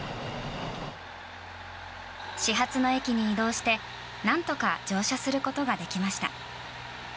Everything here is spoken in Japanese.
始発の駅に移動して、何とか乗車することができました。